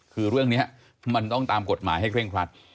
คือเรื่องนี้มันต้องตามกฎหมายให้เคร่งครัด